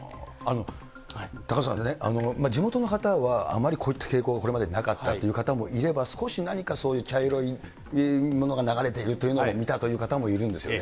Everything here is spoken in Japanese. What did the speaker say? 高塚さんね、地元の方は、あまりこういった傾向はこれまでなかったという方もいれば、少し何かそういう茶色いものが流れているというのを見たという方もいるんですよね。